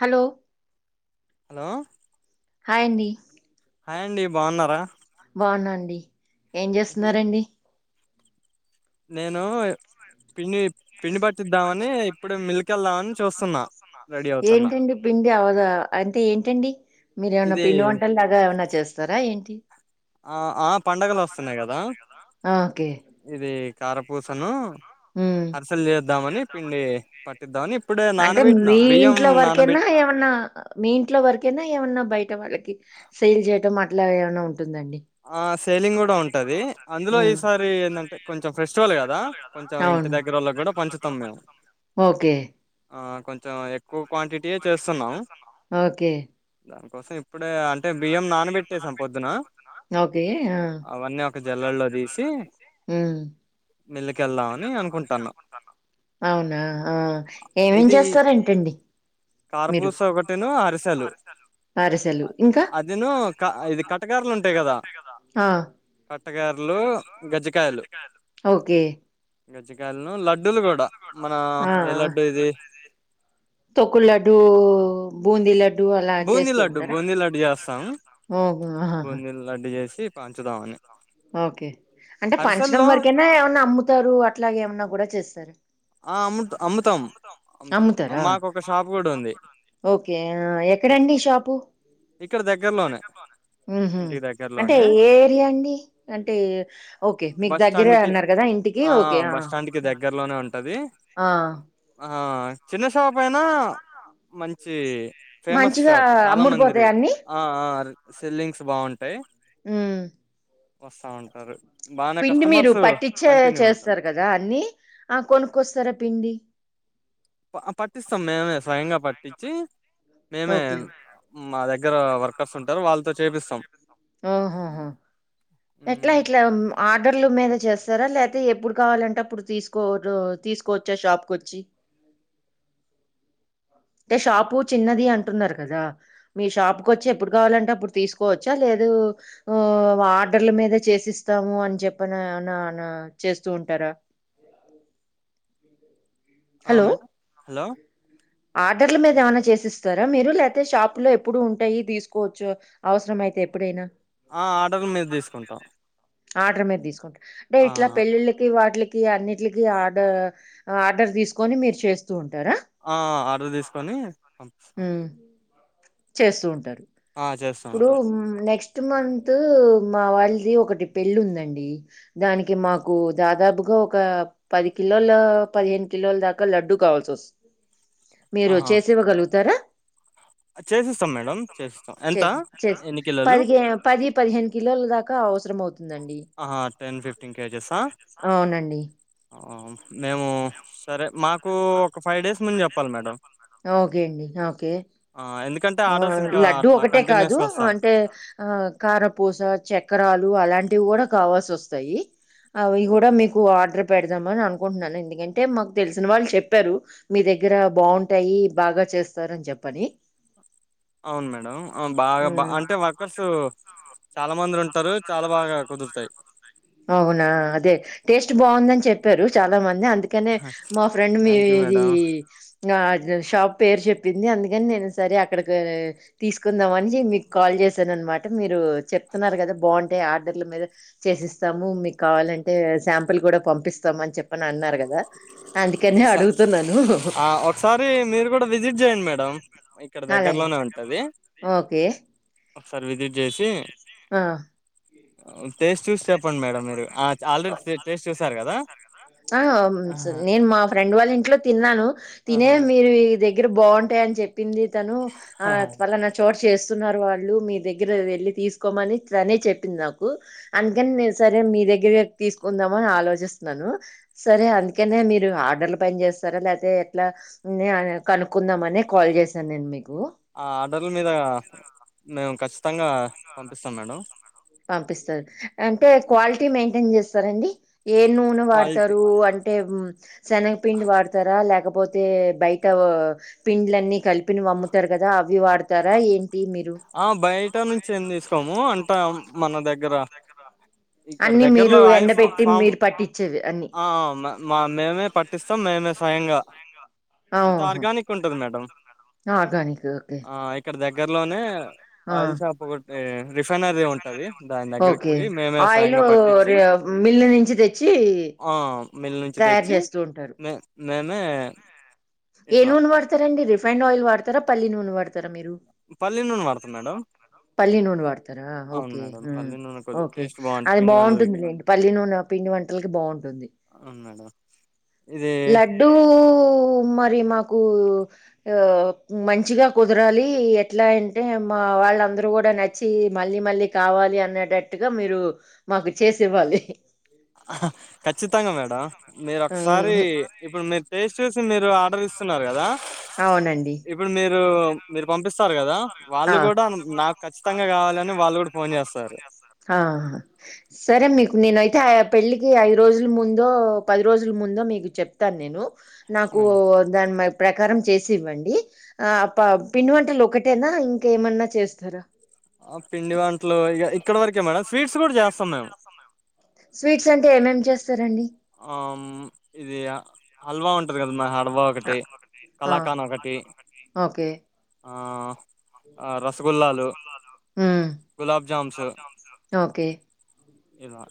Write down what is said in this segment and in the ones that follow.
Hello hello హాయండి hi అండి బాగున్నారా బానండి ఏం చేస్తున్నారంండి నేను పిండి పిండి పట్టిద్దామని ఇప్పుడు మిల్కెళ్దామని ఏంటండి పిండి అవదా అంటే ఏంటండి మీరు ఏమనా ఇది పిండి వంటలు లాగా ఏమనా చేస్తారా ఏంటి ఆ ఆ పండగలు వస్తున్నాయి కదా ఆ! ఓకే ఇది కార పూసను పట్టిద్దామని ఇప్పుడే అంటే నానబెట్టిన మీ బియ్యం ఇంట్లో వరకైనా నానబెట్టి ఏమన్నా మీ ఇంట్లో వరకైనా ఏమన్నా బయట వాళ్ళకి సెల్ చేయటం అలా ఇట్లాయాణ ఉంట ఉంటుందండి ఆ సేలింగ్ కూడా ఉంటది అందులో ఉమ్ ఈసారి ఏంటంటే కొంచెం ఫెస్టివల్ కదా కొంచెం ఇంటి అవును దగ్గరళ కూడా పంచుతాం మేము ఓకే ఆ కొంచెం ఎక్కువ క్వాంటిటీ ఓకే ఇప్పుడే అంటే బియ్యం నానబెట్టేసాం పొద్దున ఓకే అ అవన్నీ ఒక జల్లల్లో తీసి మిల్లుకెళ్దామని మిల్లికెళ్దామని అనుకుంటాను అనుకుంటాన అవునా ఏమేం చేస్తారేంటండి మీరు కారపూస ఒకటిను అరిసెలు అరిసెలు అదిను క ఇది కటకారలు ఉంటా కటకారలు ఉంటాయి కదా ఆ అట్టగారులు గజ్జికాయలు ఓకే గజ్జిక ఆ లడ్డులు కుడా ఆ ఏ లడ్డు ఇది తొక్కులడ్డు బూందీలడ్డు బూందీ లడ్డు బూందీ లడ్డు చేస్తాం ఓహో ఆహాహా బూందీ లడ్డు చేసి పంచుదామని ఓకే అంటె పంచడం అరిసెల్లో వరకెనా ఏమన్నా అమ్ముతారు అట్లాగేమన్నా కూడ చేస్తార ఆ అమ్ము అమ్ముతాం అమ్ముతాం అమ్ముతారా మాకు ఒక షాప్ కూడా ఉంది ఓకే స్వీట్ ఎక్కడండి షాప్ షాపు ఇక్కడ దగ్గరలోనే ఉహు ఇంటికి అంటే దగ్గరలోనే ఏ ఏరియా అండి అంటే ఓకే మీకు బస్ దగ్గరే స్టాండ్ కి అన్నార్ కదా ఇంటికి ఓకే అది ఆ. హా చిన్న షాపైనా మంచి మంచిగా ఫేమషాప్ చాలా మందిరి అమ్ముడుపోతాయా అన్ని ఆ ఆ అర్ సెల్లింగ్స్ బాగుంటయ్ మ్ వస్తా ఉంటారు బానే పిండి మీరు కస్టమర్స్ పట్టించే కంటిన్యూ ఉంటారు చేస్తారు కదా అన్ని ఆ కొనుక్ కోస్తారా పిండి ప పట్టిస్తం మేమే స్వయంగ పట్టించి మేమే ఓకే మా దగ్ గ్గర వర్కర్స్ ఉంటారు వాళ్ళతొ చేపిస్తాం ఉహోహో ఎట్ల ఉమ్, ఇట్ల ఆడర్ల మీదె చేస్తారా లేతే ఎప్పుడు కావాలంటే అప్పుడు తీసుకోచా తీసుకోచ్చా షాప్కొచ్చి అంటే షాపు చిన్నది అంటున్నారు కదా మీ షాప్ కు వచ్చి ఎప్పుడు కావాలంటే అప్పుడు తీసుకోచ్చా లేదు ఆర్డర్ల మీద చేసిస్తాము అని చెప్పి అన అన చేస్తూ ఉంటారా ఆ హలో మే హలో ఆర్డర్ల మీద ఏమనా చేసిస్తారా మీరు లేకపోతే షాపు లో ఎప్పుడు ఉంటాయి తీసుకోవచ్చు అవసరం అయితే ఎప్పుడైనా ఆ ఆర్డర్ల్ మీద్ తీసుకుంటాం ఆర్డర్ మీద తీసుకుంట్ టె ఆ ఇట్లా పెళ్ళిళ్ళకి వాటిల్ ఈ అన్నింటికి ఆర్డర్ ఆర్డర్ తీసుకొని మీరు చేస్తూ ఉంటారా ఆ ఆర్డర్ తీసుకొని పంపిస్తం చేస్తు ఉంటరు ప్పుడు ఉంటాం నెక్స్ట్ మంత్ తు మా వాళ్ళది ఒకటి పెళ్ళి ఉందండి, దానికి మాకు దాదాపుగా ఒక పది కిలోల పదిహేను కిలోల దాకా లడ్డు కావాల్సొస్ మీరు చేసి ఇవ్వగలుగుతారా చేసేస్తం మేడం చేస్తం చెస్ చెస్ పదిహె పది పదిహేన్ కె కిలోలు దాకా ఓస్ ఆహా టెన్ ఫిఫ్టీన్ కేజెస్ ఆ అవునండి మేము సరే మాకు ఒక ఫైవ్ డేస్ ముందు చెప్పాలి మేడం ఓకే అండి ఓకే ఆ, ఎందుకంటే ఆ ఆర్డర్స్ ఇంకా లడ్డుూ అట్లా ఒకటే కాదు కంటిన్యూస్గా వస్తాను అంటే ఆ కారపూస చెక్క క్రాలు అలాంటివి కూడా కావాల్సి వస్తాయి అవి కూడా మీకు ఆర్డర్ పెడదామని అనుకుంటున్నాను ఎందుకంటే మాకు తెలిసిన వాళ్ళు చెప్పారు మీ దగ్గర బాగుంటాయి బాగా చేస్తారు అని చెప్పని అవును మేడం ఆ, బాగా బా ఉమ్ అంటే వర్కర్స్ చాలా మంది ఉంటారు చాలా బాగా కుదురుతాయి అవునా అదే టేస్ట్ బాగుందని చెప్పారు చాలా మంది అందుకనే మా ఫ్రెండ్ మీ థ్యాంక్ యూ ఇది మేడం ఆ షాప్ పేరు చెప్పింది అందుకని నేను సరే అక్కడకి తీసుకుందామ అని మీకు కాల్ చేశాను అనమాట మీరు చెప్తున్నారు కదా బాగుంటే ఆర్డర్ల మీద చేసిస్తాము మీకు కావాలంటే శాంపిల్ కూడా పంపిస్తామ అని చెప్పని అన్నారు కదా అందుకనే స అడుగుతున్నాను ఆ ఒకసారి మీరు కూడా విజిట్ చేయండి మేడం ఇక్కడ అలాగే దగ్గరలోనే ఉంటది ఓకే ఒకసారి విజిట్ చేసి ఆ అ టేస్ట్ చూసారు కదా ఆ ఆ అంశ ఆహా, నేను మా ఫ్రెండ్ వాళ్ళ ఇంట్లో తిన్నాను తినే మీరు ఇదగ్ దగ్గర బాగుంటాయని చెప్పి పింది తను ఆ ఆహా. ఫలానా చోట చేస్ స్తున్నారు వాళ్ళు మీ దగ్గర వెళ్ళి తీసుకోమని తనే చెప్పింది నాకు అందుకని నేను సరే మీ దగ్గరే తీసుకుందామని ఆలోచిస్తున్నాను సరే అందుకనే మీరు ఆర్డర్లు పైన చేస్తారా లేకపోతే ఎట్లా కనుక్కుందామని కాల్ చేశాను నేను మీకు ఆ ఆర్డర్ల మీద మేము ఖచ్చితంగా పంపిస్తాం మేడం పంపిస్తారు అంటే క్వాలిటీ మెయింటైన్ చేస్తారండి ఏ నూనె క్వాలిటీ వాడతారు అంటే మ్మ్ శెనగపిండి వాడతారా లేకపోతే ఐతే బయట పిండ్లన్నీ కలిపి ఏంటి మీరు ఆ బయట నుంచి ఏం తీసుకోము అంతా మన దగ్గర ఇక్కడ అన్ని మీరు దగ్గరలో మేము ఆయిల్ ఫ ఎండబెట్టి ఫామ్ మీరు ఆర్గానిక్ పట్టించేవి అన్ని ఆ మ మేమే పట్టించి పట్టిస్తాం మేమే స్వయంగా అంతా ఓహో ఆర్గానిక్ ఉంటది మేడం ఆర్గానిక్ ఓకే ఆ ఇక్కడ దగ్గరలోనే ఆ ఆయిల్ షాప్ ఒకటి రిఫైనరీ ఉంటది. దాని దగ్గరికి ఓకే పోయి మేమే ఆయిల్ స్వయంగా పట్టించి మిల్లు నుంచి తెచ్చి ఆ మిల్ నుంచి తయారు తెచ్చి చేస్తూ ఉంటారు మే నేనే ఏ నూనె వాడతారండి రిఫ ఫైండ్ ఆయిల్ వాడతార పల్లీనూనె వాడతారా మీరు పల్లీ నూనె వాడతాం మేడం పల్లీ నూనె వాడతారా అవును ఓకే మేడం హ్మ్ పల్లి నూనె కొద్ది ఓకే టేస్ట్ బాగుంటుంది అది పిండి బావుంటుంది వంటలకి పల్లీ నూనె పిండి వంటలకి బావుంటుంది అవును మేడం ఇది లడ్డూ కు మరి మాకు మంచిగా కుదరాలి ఎట్లా అంటే మా వాళ్ళందరూ కూడా నచ్చి మళ్ళీ మళ్ళీ కావాలి అనేటట్టుగా మీరు మాకు చేసి ఇవ్వాలి. అహ ఖచ్చితంగా మేడం మీరు ఒకసారి ఇప్పుడు మీరు టేస్ట్ చూసి మీరు ఆర్డర్ ఇస్ న్నారు కదా అవునండి. ఇప్పుడు మీరు మీరు మీరు పంపిస్ ఆ ఖచ్చితంగా కావాలని వాళ్ళు కూడా ఫోన్ చేస్తారు ఆ సరే మీకు నేనై తే పెళ్ళికి ఐదు రోజులు ముందో పది రోజులు ముందో మీకు చెప్తాను నేను నాకు మేడం దాని మరి ప్రకారం చేసి ఇవ్వండి ఆ ప పిండి వంటలు ఒకటి ఒకటేనా ఇంకేమన్నా చేస్తారా ఆ పిండి వంటలు ఇక ఇక్కడ వరకే మేడం స్వీట్స్ గుడా చేస్తాం మేము స్వీట్స్ అంటే ఏమేమి చేస్తారండి ఆహ్ ఆమ్ ఇది హల్వా ఉంటది కదా మాహ వ అ ఒకటి ఆ! కళాకన్ ఒకటి. ఓకే. ఆహ్ ఆ రసగ్ ఉమ్ ఓకే. ఎలా.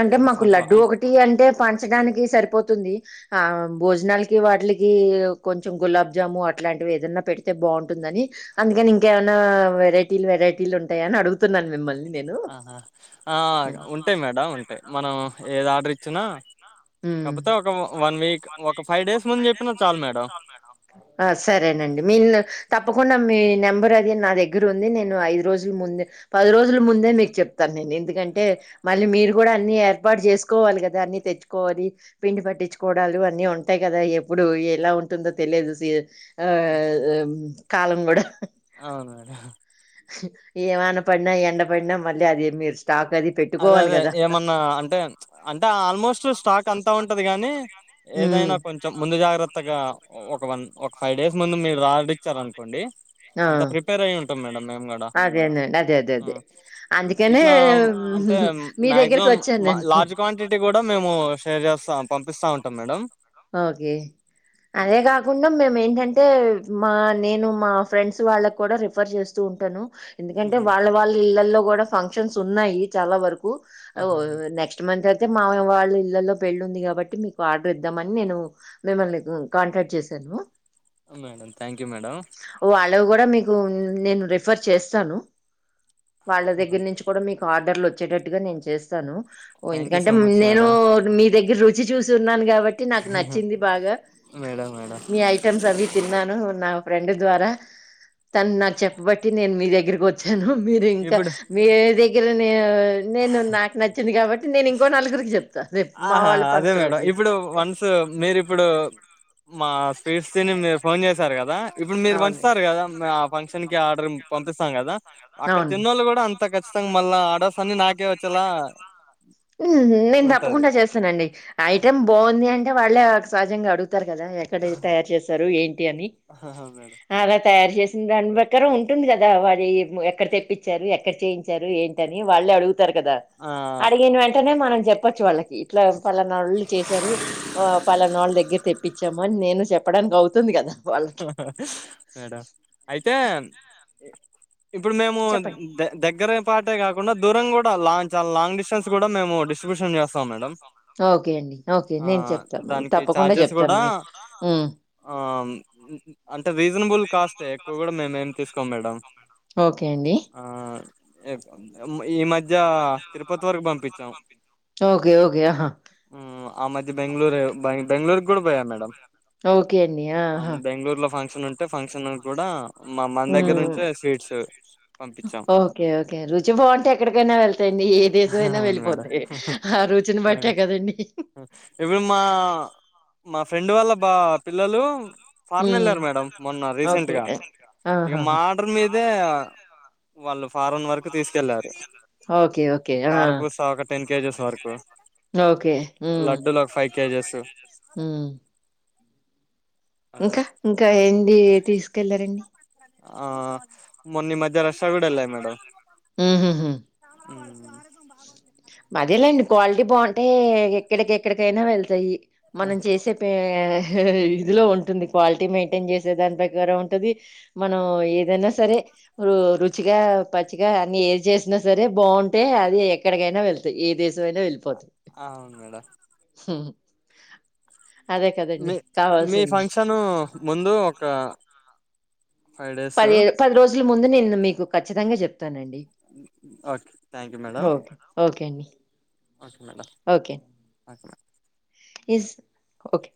అంటే మాకు లడ్డు ఒకటి అంటే పంచడానికి సరిపోతుంది. ఆహ్ భోజనాలకి వాటికి కొంచెం గులాబ్జాము అట్లాంటివి ఏదన్నా పెడితే బాగుంటుందని అందుకని ఇంకేమైనా వెరైటీలు వెరైటీలు ఉంటాయ అని అడుగుతున్నాను మిమ్మల్ని. నేను. ఆహా ఆహ్ హ్మ్. ఉంటాయి మేడం. ఉంటాయి మనం ఏద. ఉహ్మ్ వన్ వీక్ ఒక ఫైవ్ డేస్ ముందు చెప్పినా చాలు మేడం ఆహ్ సరేనండి మీరు తప్పకుం తప్పకుండ మీ నెంబర్ అది నా దగ్గర ఉంది. నేను ఐదు రోజుల ముందే పది రోజుల ముందే మీకు చెప్తాను. నేను ఎందుకంటే మళ్ళీ మీరు కూడా అన్ని ఏర్పాటు చేసుకు కోవాలి కదా అన్ని తెచ్చుకోవాలి పిండి పట్టించుకోవడాలు అన్ని ఉంటాయి కదా ఎప్పుడు ఎలా ఉంటుందో తెలియదు సీజ్. ఆహ్ ఆమ్ ప్చ్. వాలంబడ. అవును మేడం. ఏమన్నా పడినా ఎండ పడినా మళ్ళీ అదే మీరుస్ అదే అదే ఏమన్నా అంటే ప్చ్ అంటే ఆల్మోస్ట్ స్టాక్ అంతా ఉంటది గాని హ్మ్. ఏదైనా కొంచెం ముందు జాగ్రత్త. ఆహ్ ఒక వన్. ఒక ఫైవ్ డేస్ ముందు మీరు రాండి. ఆహ్ ఉంటాం మేడం మేము కూడా అదేండి అదే అదే అదే అందుకనే. ఇట్లా అంటే మీ మాక్సిమం దగ్గరికొచ్చాను మా నేను. లార్జ్ క్వాంటిటీ కూడా మేము షేర్. చేస్తా పంపిస్తా ఉంటాం మేడం. ఓకే అదే కాకుండా మేము ఏంటంటే. అంటే మా నేను మా ఫ్రెండ్స్ వాళ్ళకు కూడా రిఫర్ చేస్తూ ఉంటాను. ఎందుకంటే హుహు. వాళ్ళ వాళ్ళా ఇళ్లల్లో. కూడా ఫంక్షన్స్ ఉన్నాయి చాలా వరకు. ఆహా ఆహ్ నెక్స్ట్ మంత్ అయితే. అత్తయ్య మావయ్య వాళ్ళ ఇళ్లల్లో పెళ్ళి ఉంది కాబట్టి మీకు ఆర్డర్. ఇద్దామని నేను మిమ్మల్ని కాంటాక్ట్ చేశాను. Madam thank you madam. ఉమ్ నేను రేఫర్ చేస్తాను. వాళ్ళ ఆహా దగ్గర నుంచి కూడా మీకు ఆర్డర్. ఆర్డర్లు వచ్చేటట్టుగా నేను చేస్తాను. ఓ థ్యాంక్ యూ ఎందుకంటే సో మచ్ నేను మేడం మీ దగ్గర రుచి చూసి ఉన్నాను కాబట్ట్. నాకు నచ్చింది బాగా మేడం మేడం మీ ఐటెమ్స్ అవి తిన్నాను నాకు మా ఫ్రెండ్ ద్వారా తను నాకు చెప్పబట్టి నేను మీ దగ్గరకి వా జనం మీరు ఇంకా ఇప్పుడు వేరే దగ్గర నేను నేను నాకు నచ్చింది కాబట్టి నేను ఇంకో నలుగుకి జెప్తా రేపు మా ఆహా వాళ్ళు అదే మేడం ఫంక్షన్లకి ఇప్పుడు తా వన్స్ మీరు ఇప్పుడు మా స్వీట్స్ మీరు ఫోన్ చేసారు కదా ఇప్పుడు మీరు అవును పంచుతారు కదా మా ఆ ఫంక్షన్కి ఆర్డర్ పంపిస్తాం కదా అక్కడ అవును తిన్నవాళ్ళు కూడా అంత ఖచ్చితంగా మళ్ళా ఆర్డర్స్ అన్ని నాకే వచ్చేలా ఉంటది అండి ఐటమ్ బాగుంది అంటే వాళ్ళే సహజంగా అడుగు తారు కదా ఎక్కడ తయారు చేశారు ఏంటి అని ఆహా, మేడం తాయారు దాని బక్కర ఉంటుంది కదా వారి ఎక్కడ తెప్పించారు ఎక్కడ చేయించారు ఏంటని వాళ్ళు అడుగుత కదా ఆ అడిగిన వెంటనే మనం చెప్పొచ్చు వాళ్ళకి ఇట్లా పలనాళ్ళు చేశారు ఆ పలనాళ్ళ దగ్గర తెప్పించాము అని నేను చెప్ప చెప్పడానికి అవుతుంది కదా వాళ్ళకి మేడం అయితే ఇప్పుడు మేము చెప్పండి దగ్గర పాటే కాకుండా దూరం కూడా లాంచ్ చాల లాంగ్ డిస్టెన్స్ కూడా మేము డిట్రిబ్యూషన్ చేస్తం ఓకే అండి ఓకే నేను చెప్తాను దానికి తప్పకుండా చార్జెస్ చెప్తాను కూడా మీకు ఊ అ రీజనబుల్ కాస్ట్ ఎక్కువ కూడా మేముేం తీసుకోం మేడం ఓకే అండి ఆ ఈ మధ్య తిరుపతి వరకు పంపించాం ఓకే ఓకే ఆహా ఉమ్, ఆ మధ్య బెంగళూరు బెంగళూరుకి కూడా పోయా మేడంమ్ ఓకే అ బంగళూరులో ఫం ఫంక్షన్ ఉంటే ఫంక్షన్ కూడా మా మన దగ్గర నుంచే స్వీట్స్ పంపించాం ఓకే ఓకే రుచి బాగుంటే ఎక్కడికైనా వెళ్తాయండి ఏ దేశమ అైనా అవును మేడం వెళ్ళిపోతా ఆ రుచిని బట్టా మేడం కదండి ఇప్పుడు మా మా ఫ్రెండ్ వాళ్ళ బా పిల్లలు ఫారన్ హ్మ్ వెళ్ళారు మేడం మొన్న రీసెంట్ గా ఇక మా ఆడర్ మీదే వాళ్ళు ఫారన్ వరకు తీసుకెళ్ళారు ఓకే కార్పూస ఒక టెన్ కేజీస్ సార్కు ఓకే ఆ కేజెస్ అట్లా ఇంకా ఇంకా ఏంది తీసుకెళ్లారంండి ఆ మొన్న మధ్య రష్యా కూడా వెళ్ళాయి మేడం ఆహా బాగు అదేలేండి క్వాలిటీ బాగుంటే ఎక్కడికెక్కడికైనా వెళ్తాయి మనం చేసే ప ఇదిలో ఉంటుంది క్వాలిటీ మెయింటైన్ చేసే దాని ప్రక ఉంటుంది మనం ఏదైనా సరే రుచిగా పచ్చిగా అన్ని ఏ చేసిన సరే బాగుంటే అది ఎక్కడికైనా వెళ్తాయి ఏ దేశమైనా వెళ్ళిపోతంది ఆ అవును మేడం హ మీ మీ ఫంక్షన్ ముందు ఒకక్క పదిే పది రోజులు ముందు నేను మీకు ఖచ్చితంగా చెప్పను ానండిఓే okay thank you madam okay అండి okay madam okay madam is okay